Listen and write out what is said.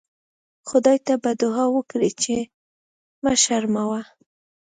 خدای ته به دوعا وکړئ چې مه شرموه.